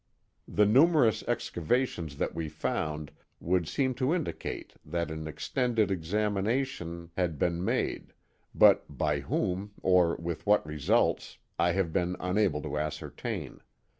The numerous excavations that we found would seem to indicate that an extended examination Guy Park and Fort Johnson 127 had been made, but by whom, or with what results, I have been unable to ascertain.